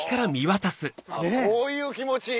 あっこういう気持ち。